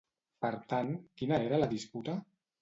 Per tant, quina era la disputa?